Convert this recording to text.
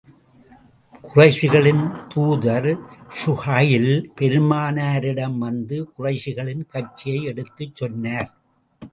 குறைஷிகளின் தூதர் ஸூஹைல் பெருமானாரிடம் வந்து, குறைஷிகளின் கட்சியை எடுத்துச் சொன்னார்.